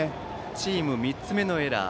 チーム３つ目のエラー。